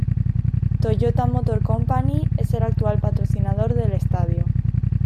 Toyota Motor Company es el actual patrocinador del estadio.